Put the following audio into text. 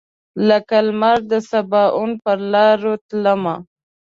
لکه لمر دسباوون پر لاروتلمه